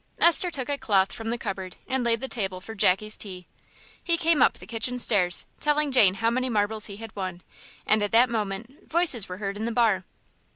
Esther took a cloth from the cupboard, and laid the table for Jackie's tea. He came up the kitchen stairs telling Jane how many marbles he had won, and at that moment voices were heard in the bar.